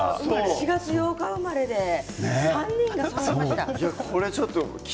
４月８日生まれの３人がそろいました。